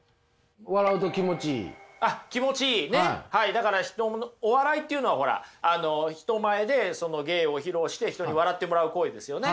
はいだからお笑いというのはほら人前で芸を披露して人に笑ってもらう行為ですよね。